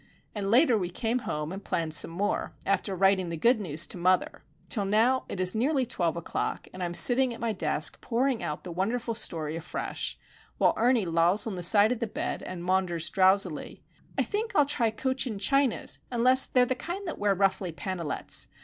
And later we came home and planned some more, after writing the good news to mother; till now it is nearly twelve o'clock, and I am sitting at my desk pouring out the wonderful story afresh, while Ernie lolls on the side of the bed, and maunders drowsily:— "I think I'll try Cochin Chinas, unless they're the kind that wear ruffly pantalets.